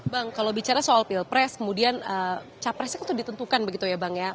bang kalau bicara soal pilpres kemudian capresnya itu ditentukan begitu ya bang ya